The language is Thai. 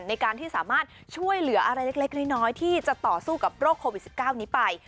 ในการที่สามารถช่วยเหลืออะไรเล็กน้อยที่จะต่อสู้กับโรคโควิด๑๙นี้ไป